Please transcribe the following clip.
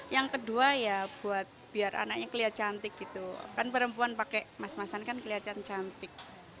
ya buat biar anaknya kelihatan cantik gitu kan perempuan pakai emas emasan kan kelihatan cantik